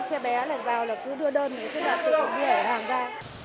xe bé lại vào là cứ đưa đơn thế là tôi cũng đi hẻ hàng ra